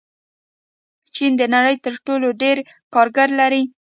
چین د نړۍ تر ټولو ډېر کارګر لري.